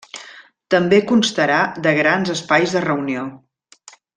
També constarà de grans espais de reunió.